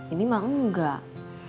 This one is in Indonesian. ini mah enggak